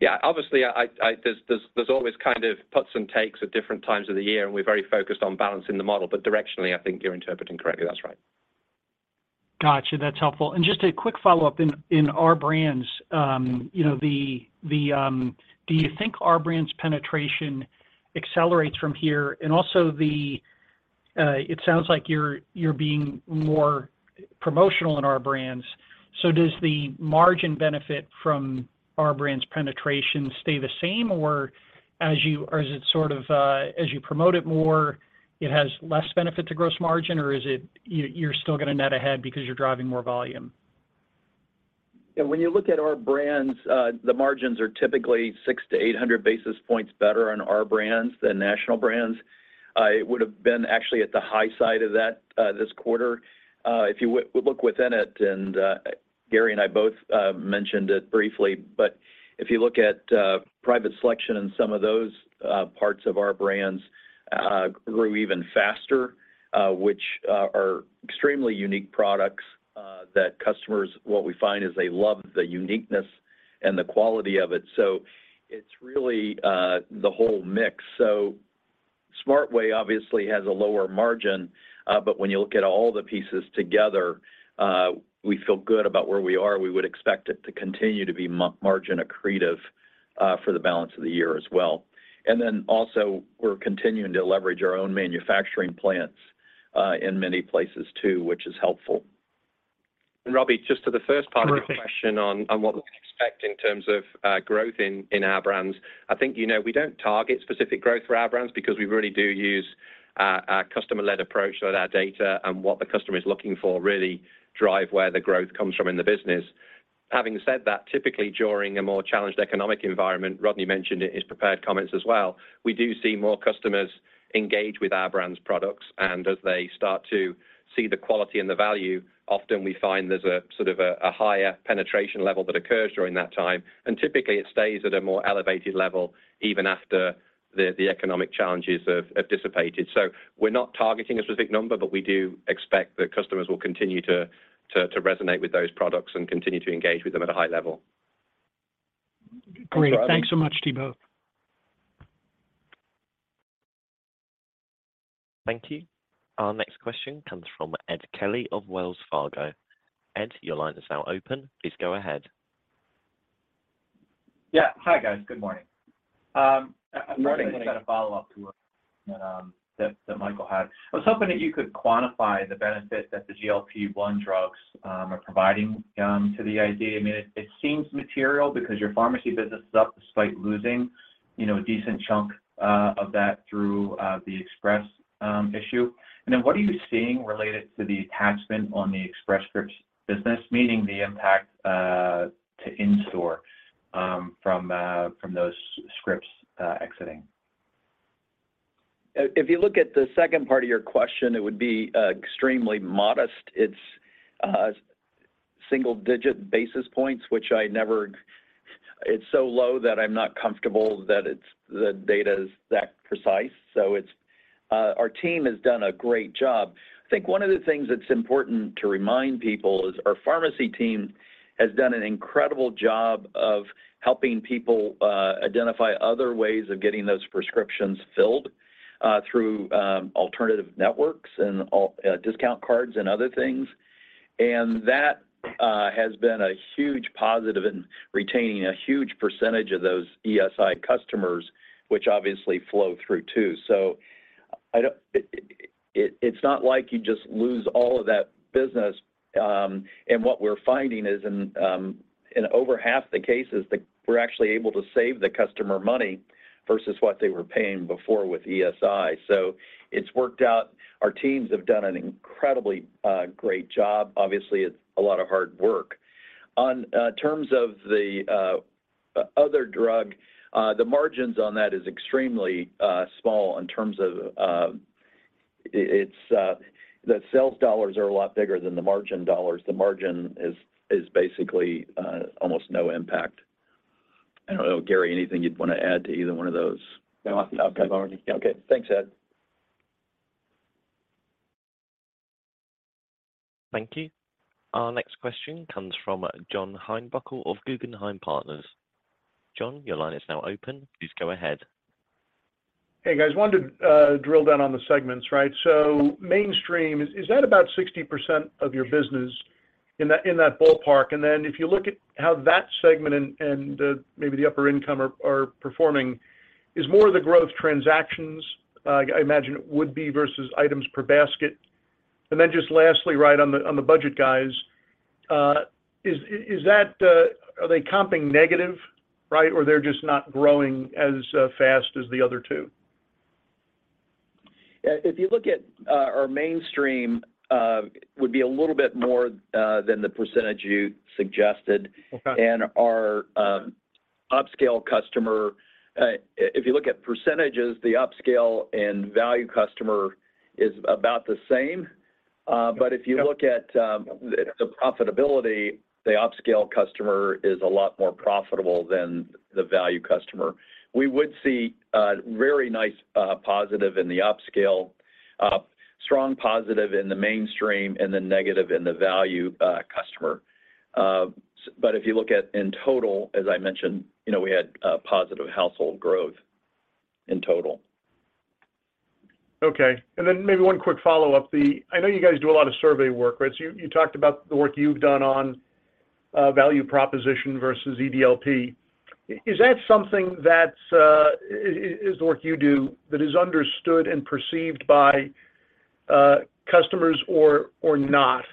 Yeah, obviously. There's always kind of puts and takes at different times of the year, and we're very focused on balancing the model, but directionally, I think you're interpreting correctly. That's right. Got you. That's helpful. Just a quick follow-up in Our Brands. You know, the, do you think Our Brands penetration accelerates from here? Also the, it sounds like you're being more promotional in Our Brands. Does the margin benefit from Our Brands penetration stay the same, or is it sort of, as you promote it more, it has less benefit to gross margin, or is it, you're still gonna net ahead because you're driving more volume? When you look at Our Brands, the margins are typically 600-800 basis points better on Our Brands than national brands. It would have been actually at the high side of that this quarter. If you look within it, and Gary and I both mentioned it briefly, but if you look at Private Selection and some of those parts of Our Brands grew even faster, which are extremely unique products that customers, what we find is they love the uniqueness and the quality of it. It's really the whole mix. Smart Way obviously has a lower margin, but when you look at all the pieces together, we feel good about where we are. We would expect it to continue to be margin accretive for the balance of the year as well. Also, we're continuing to leverage our own manufacturing plants in many places, too, which is helpful. Robbie, just to the first part of your question on what we expect in terms of growth in Our Brands, I think, you know, we don't target specific growth for Our Brands because we really do use our customer-led approach, so that data and what the customer is looking for really drive where the growth comes from in the business. Having said that, typically during a more challenged economic environment, Rodney mentioned it in his prepared comments as well, we do see more customers engage with Our Brands products, and as they start to see the quality and the value, often we find there's a sort of a higher penetration level that occurs during that time. Typically, it stays at a more elevated level even after the economic challenges have dissipated. We're not targeting a specific number, but we do expect that customers will continue to resonate with those products and continue to engage with them at a high level. Great. Thanks so much, Thibault. Thank you. Our next question comes from Ed Kelly of Wells Fargo. Ed, your line is now open. Please go ahead. Yeah. Hi, guys. Good morning. I've got a follow-up to that Michael Lasser. I was hoping that you could quantify the benefit that the GLP-1 drugs are providing to the ID. I mean, it seems material because your pharmacy business is up despite losing, you know, a decent chunk, of that through the Express Scripts issue. Then what are you seeing related to the attachment on the Express Scripts business, meaning the impact to in-store from those scripts exiting? If you look at the second part of your question, it would be extremely modest. It's single-digit basis points, which I'm not comfortable that the data is that precise. Our team has done a great job. I think one of the things that's important to remind people is our pharmacy team has done an incredible job of helping people identify other ways of getting those prescriptions filled through alternative networks and discount cards and other things. That has been a huge positive in retaining a huge percentage of those ESI customers, which obviously flow through too. It's not like you just lose all of that business. What we're finding is in over half the cases, we're actually able to save the customer money versus what they were paying before with ESI. It's worked out. Our teams have done an incredibly great job. Obviously, it's a lot of hard work. On terms of the other drug, the margins on that is extremely small in terms of. It's the sales dollars are a lot bigger than the margin dollars. The margin is basically almost no impact. I don't know, Gary, anything you'd want to add to either one of those? No, I think you covered everything. Okay. Thanks, Ed. Thank you. Our next question comes from John Heinbockel of Guggenheim Partners. John, your line is now open. Please go ahead. Hey, guys. Wanted to drill down on the segments, right? Mainstream, is that about 60% of your business in that ballpark? If you look at how that segment and maybe the upper income are performing, is more of the growth transactions, I imagine it would be, versus items per basket? Just lastly, right on the budget guys, is that, are they comping negative, right? Or they're just not growing as fast as the other two? If you look at, our mainstream, would be a little bit more, than the percentage you suggested. Okay. Our upscale customer, if you look at percentages, the upscale and value customer is about the same. Okay... but if you look at the profitability, the upscale customer is a lot more profitable than the value customer. We would see a very nice positive in the upscale strong positive in the mainstream, and then negative in the value customer. If you look at in total, as I mentioned, you know, we had a positive household growth in total. Okay. Maybe one quick follow-up. I know you guys do a lot of survey work, right? You talked about the work you've done on value proposition versus EDLP. Is that something that is the work you do that is understood and perceived by customers or not?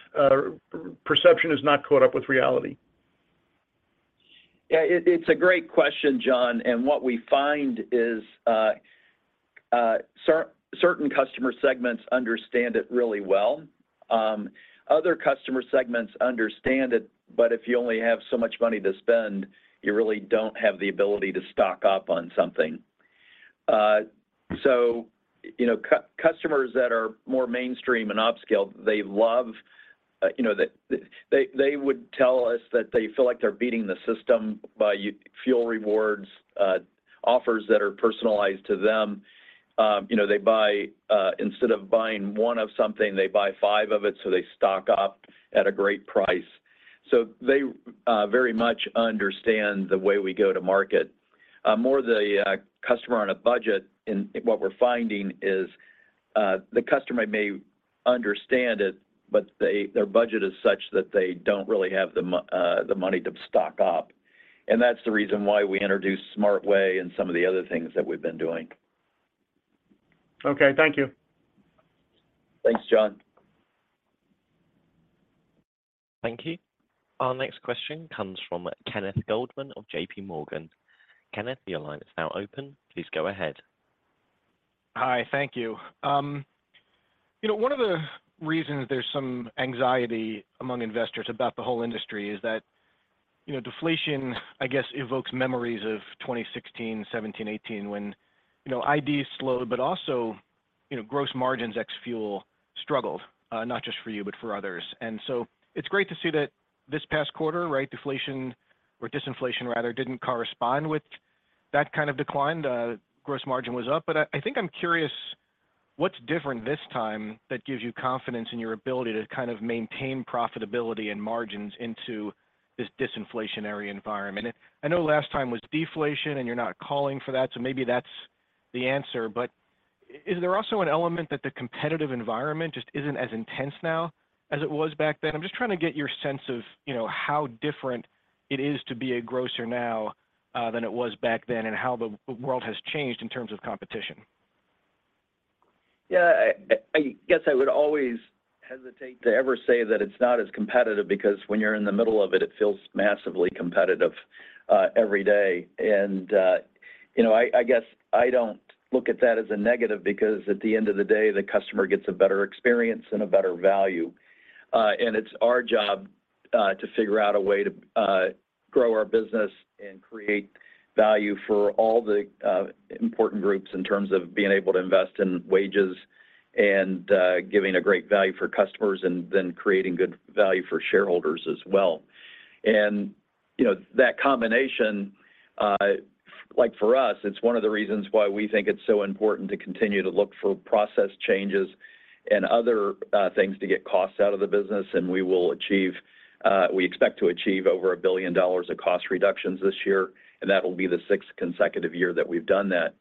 Perception has not caught up with reality. Yeah, it's a great question, John. What we find is, certain customer segments understand it really well. Other customer segments understand it. If you only have so much money to spend, you really don't have the ability to stock up on something. You know, customers that are more mainstream and upscale, they love, you know, they would tell us that they feel like they're beating the system by fuel rewards offers that are personalized to them. You know, they buy, instead of buying one of something, they buy five of it, so they stock up at a great price. They very much understand the way we go to market. More the customer on a budget. What we're finding is, the customer may understand it, but their budget is such that they don't really have the money to stock up. That's the reason why we introduced Smart Way and some of the other things that we've been doing. Okay. Thank you. Thanks, John. Thank you. Our next question comes from Kenneth Goldman of JPMorgan. Kenneth, your line is now open. Please go ahead. Hi, thank you. You know, one of the reasons there's some anxiety among investors about the whole industry is that, you know, deflation, I guess, evokes memories of 2016, 2017, 2018, when, you know, ID slowed, but also, you know, gross margins, ex fuel, struggled, not just for you, but for others. It's great to see that this past quarter, right, deflation or disinflation, rather, didn't correspond with that kind of decline. The gross margin was up. What's different this time that gives you confidence in your ability to kind of maintain profitability and margins into this disinflationary environment? I know last time was deflation, and you're not calling for that, so maybe that's the answer. Is there also an element that the competitive environment just isn't as intense now as it was back then? I'm just trying to get your sense of, you know, how different it is to be a grocer now than it was back then, and how the world has changed in terms of competition. Yeah, I guess I would always hesitate to ever say that it's not as competitive, because when you're in the middle of it feels massively competitive every day. You know, I guess I don't look at that as a negative because at the end of the day, the customer gets a better experience and a better value. It's our job to figure out a way to grow our business and create value for all the important groups in terms of being able to invest in wages and giving a great value for customers and then creating good value for shareholders as well. You know, that combination, like, for us, it's one of the reasons why we think it's so important to continue to look for process changes and other things to get costs out of the business, and we will achieve, we expect to achieve over $1 billion of cost reductions this year, and that will be the sixth consecutive year that we've done that.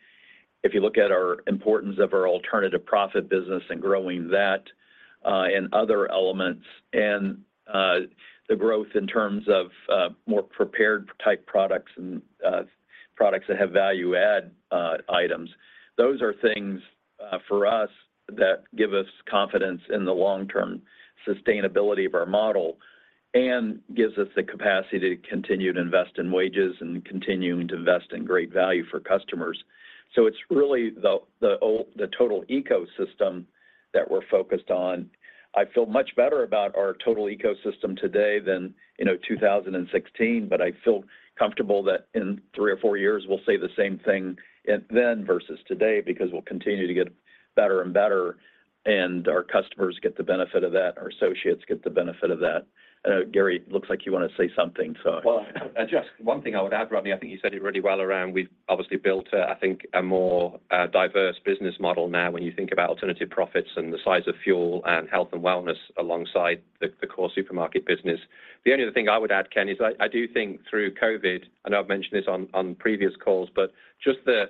If you look at our importance of our alternative profit business and growing that, and other elements and the growth in terms of more prepared type products and products that have value add items, those are things for us that give us confidence in the long-term sustainability of our model and gives us the capacity to continue to invest in wages and continuing to invest in great value for customers. It's really the total ecosystem that we're focused on. I feel much better about our total ecosystem today than, you know, 2016, but I feel comfortable that in three or four years, we'll say the same thing and then versus today, because we'll continue to get better and better, and our customers get the benefit of that. Our associates get the benefit of that. Gary, looks like you want to say something. Just one thing I would add, Rodney, I think you said it really well around we've obviously built, I think, a more diverse business model now when you think about alternative profits and the size of fuel and health and wellness alongside the core supermarket business. The only other thing I would add, Ken, is I do think through COVID, I know I've mentioned this on previous calls, but just the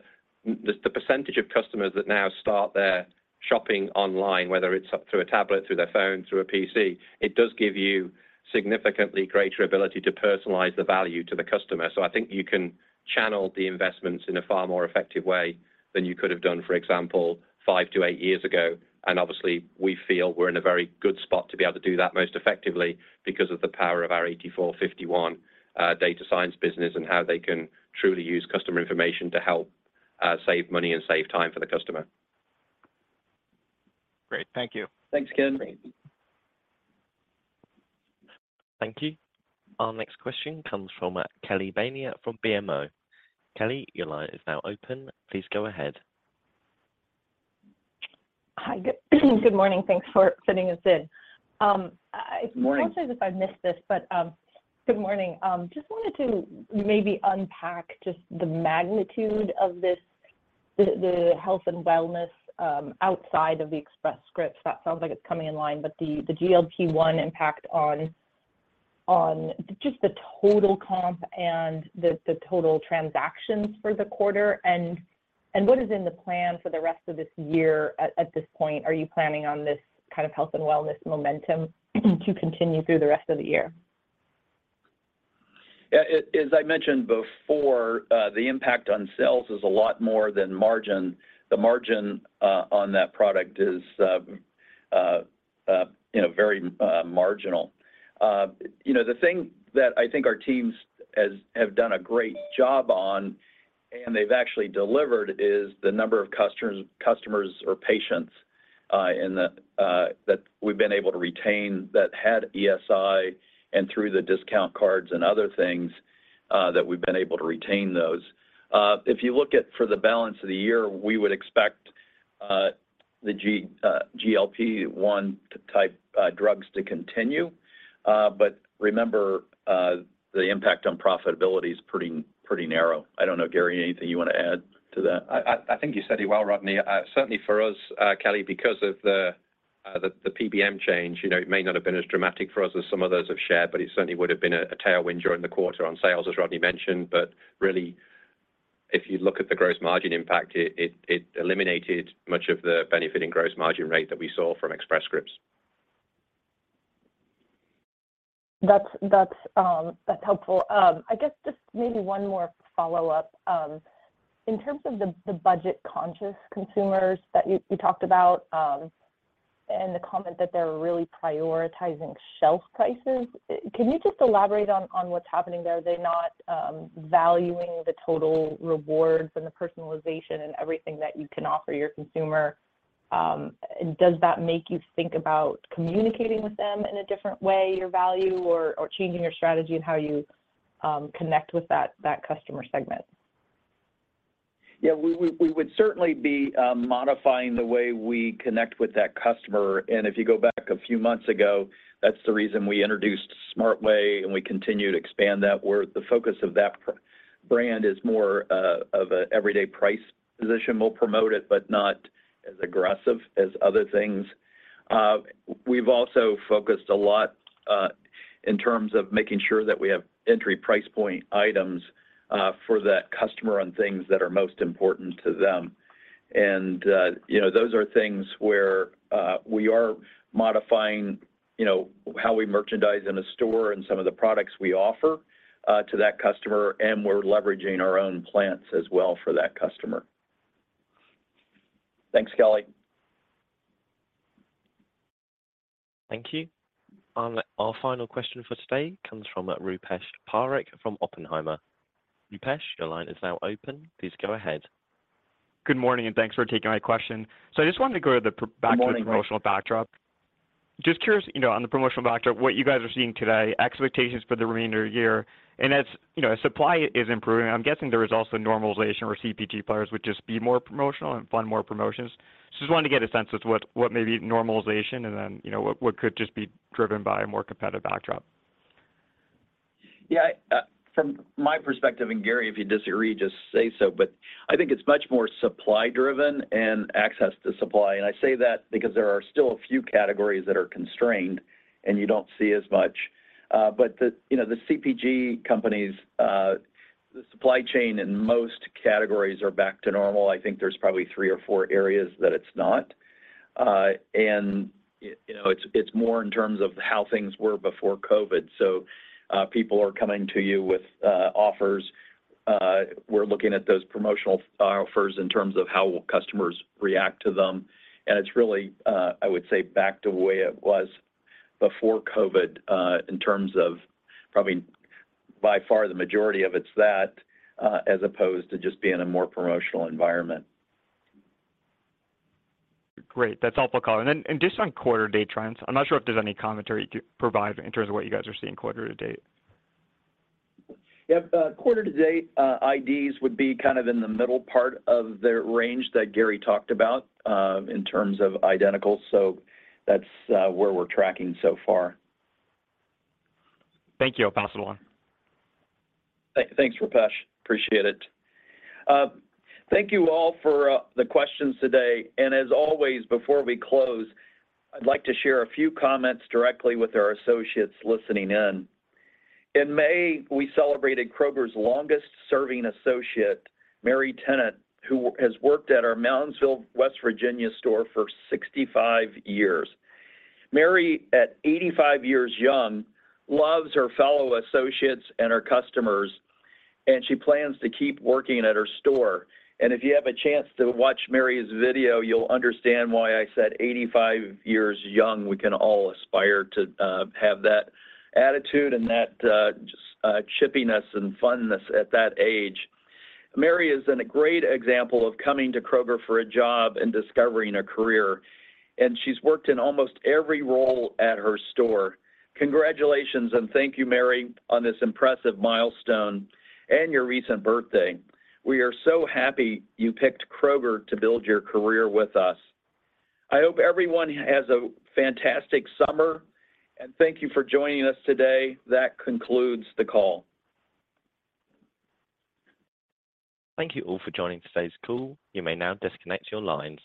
% of customers that now start their shopping online, whether it's through a tablet, through their phone, through a PC, it does give you significantly greater ability to personalize the value to the customer. I think you can channel the investments in a far more effective way than you could have done, for example, five to eight years ago. Obviously, we feel we're in a very good spot to be able to do that most effectively because of the power of our 84.51° data science business and how they can truly use customer information to help save money and save time for the customer. Great. Thank you. Thanks, Ken. Thank you. Thank you. Our next question comes from Kelly Bania from BMO. Kelly, your line is now open. Please go ahead. Hi, good morning. Thanks for fitting us in. Good morning. I'm sorry if I missed this, but. Good morning, just wanted to maybe unpack just the magnitude of this, the health and wellness, outside of the Express Scripts. That sounds like it's coming in line, but the GLP-1 impact on just the total comp and the total transactions for the quarter and what is in the plan for the rest of this year at this point? Are you planning on this kind of health and wellness momentum to continue through the rest of the year? Yeah, as I mentioned before, the impact on sales is a lot more than margin. The margin on that product is, you know, very marginal. You know, the thing that I think our teams have done a great job on, and they've actually delivered, is the number of customers or patients, and that we've been able to retain that had ESI and through the discount cards and other things, that we've been able to retain those. If you look at for the balance of the year, we would expect the GLP-1 type drugs to continue. Remember, the impact on profitability is pretty narrow. I don't know, Gary, anything you want to add to that? I think you said it well, Rodney. Certainly for us, Kelly, because of the PBM change, you know, it may not have been as dramatic for us as some others have shared, but it certainly would have been a tailwind during the quarter on sales, as Rodney mentioned. Really, if you look at the gross margin impact, it eliminated much of the benefiting gross margin rate that we saw from Express Scripts. That's helpful. I guess just maybe one more follow-up. In terms of the budget-conscious consumers that you talked about, and the comment that they're really prioritizing shelf prices, can you just elaborate on what's happening there? Are they not valuing the total rewards and the personalization and everything that you can offer your consumer? Does that make you think about communicating with them in a different way, your value, or changing your strategy and how you connect with that customer segment? Yeah, we would certainly be modifying the way we connect with that customer. If you go back a few months ago, that's the reason we introduced Smart Way, and we continue to expand that, where the focus of that brand is more of an everyday price position. We'll promote it, but not as aggressive as other things. We've also focused a lot in terms of making sure that we have entry price point items for that customer on things that are most important to them. You know, those are things where we are modifying, you know, how we merchandise in a store and some of the products we offer to that customer, and we're leveraging our own plants as well for that customer. Thanks, Kelly. Thank you. Our final question for today comes from Rupesh Parikh from Oppenheimer. Rupesh, your line is now open. Please go ahead. Good morning, and thanks for taking my question. I just wanted to go to the. Good morning. - to the promotional backdrop. Just curious, you know, on the promotional backdrop, what you guys are seeing today, expectations for the remainder of the year. As, you know, supply is improving, I'm guessing there is also normalization where CPG players would just be more promotional and fund more promotions. Just wanted to get a sense of what may be normalization and then, you know, what could just be driven by a more competitive backdrop. Yeah, from my perspective, and Gary, if you disagree, just say so, but I think it's much more supply-driven and access to supply. I say that because there are still a few categories that are constrained and you don't see as much. The, you know, the CPG companies, the supply chain in most categories are back to normal. I think there's probably 3 or 4 areas that it's not. It, you know, it's more in terms of how things were before COVID. People are coming to you with offers. We're looking at those promotional offers in terms of how will customers react to them, and it's really, I would say back to the way it was before COVID, in terms of probably by far the majority of it's that, as opposed to just being a more promotional environment. Great. That's helpful, Collin. Just on quarter date trends, I'm not sure if there's any commentary to provide in terms of what you guys are seeing quarter to date. Yep. Quarter to date, IDs would be kind of in the middle part of the range that Gary talked about, in terms of identical, so that's where we're tracking so far. Thank you. Thanks a lot. Thanks, Rupesh. Appreciate it. Thank you all for the questions today. As always, before we close, I'd like to share a few comments directly with our associates listening in. In May, we celebrated Kroger's longest-serving associate, Mary Tennant, who has worked at our Moundsville, West Virginia store for 65 years. Mary, at 85 years young, loves her fellow associates and her customers, and she plans to keep working at her store. If you have a chance to watch Mary's video, you'll understand why I said 85 years young. We can all aspire to have that attitude and that just, chippiness and funness at that age. Mary is in a great example of coming to Kroger for a job and discovering a career, and she's worked in almost every role at her store. Congratulations, thank you, Mary, on this impressive milestone and your recent birthday. We are so happy you picked Kroger to build your career with us. I hope everyone has a fantastic summer, thank you for joining us today. That concludes the call. Thank you all for joining today's call. You may now disconnect your lines.